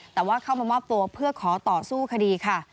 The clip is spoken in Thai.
แต่ว่าเข้ามามอบตัวเพื่อขอต่อสู้คดีค่ะ